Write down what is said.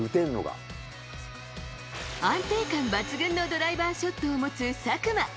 安定感抜群のドライバーショットを持つ佐久間。